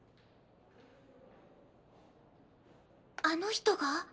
あの人が？